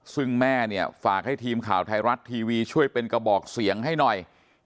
ซึ่งแม่เนี่ยฝากให้ทีมข่าวไทยรัฐทีวีช่วยเป็นกระบอกเสียงให้หน่อย